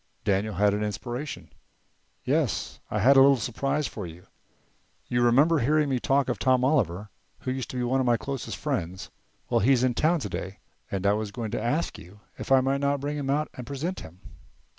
Daniel had an inspiration. "Yes, I had a little surprise for you. You remember hearing me talk of Tom Oliver, who used to be one of my closest friends. Well, he's in town today and I was going to ask you if I might not bring him out and present him."